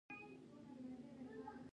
د تودو سیمو خلک عموماً سپکې جامې اغوندي.